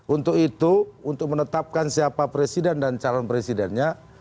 untuk itu untuk menetapkan siapa presiden dan calon presidennya